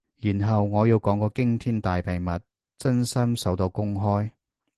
然後我要講個驚天大秘密，真心首度公開